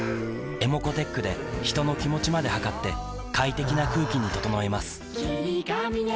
ｅｍｏｃｏーｔｅｃｈで人の気持ちまで測って快適な空気に整えます